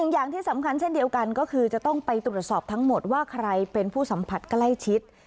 อย่างที่สำคัญเช่นเดียวกันก็คือจะต้องไปตรวจสอบทั้งหมดว่าใครเป็นผู้สัมผัสใกล้ชิด